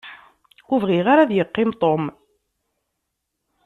Ur bɣiɣ ara ad yeqqim Tom.